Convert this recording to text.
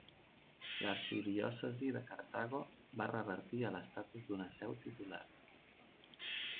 L'arxidiòcesi de Cartago va revertir a l'estatus d'una seu titular.